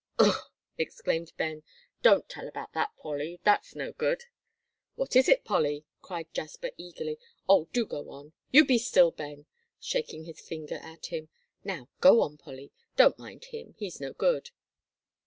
"Ugh!" exclaimed Ben, "don't tell about that, Polly; that's no good." "What is it, Polly?" cried Jasper, eagerly. "Oh, do go on. You be still, Ben," shaking his finger at him; "now go on, Polly; don't mind him, he's no good."